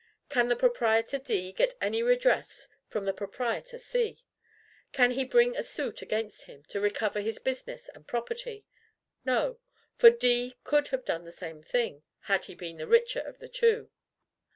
Can the proprietor D get any redress from the proprietor C? Can he bring a suit against him to recover his business and property? No; for D could have done the same thing, had he been the richer of the two.